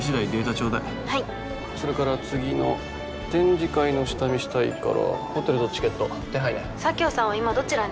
ちょうだいそれから次の展示会の下見したいからホテルとチケット手配ね佐京さんは今どちらに？